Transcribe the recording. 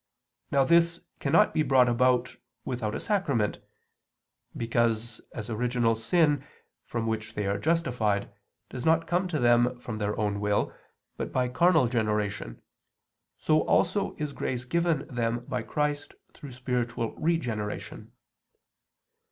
Now this cannot be brought about without a sacrament; because as original sin, from which they are justified, does not come to them from their own will, but by carnal generation, so also is grace given them by Christ through spiritual regeneration.